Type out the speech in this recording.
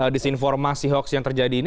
disinformasi hoax yang terjadi ini